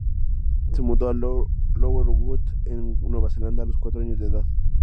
Se mudó a Lower Hutt en Nueva Zelanda a los cuatro años de edad.